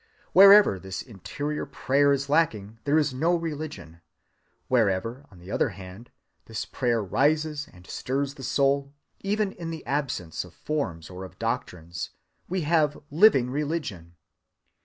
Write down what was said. Wherever this interior prayer is lacking, there is no religion; wherever, on the other hand, this prayer rises and stirs the soul, even in the absence of forms or of doctrines, we have living religion.